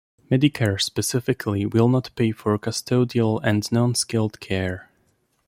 Medicare specifically will not pay for custodial and non-skilled care.